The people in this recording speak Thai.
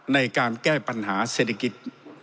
ในการแก้ปัญหาเศรษฐกิจ